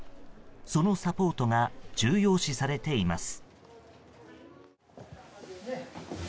そのサポートが重要視されています。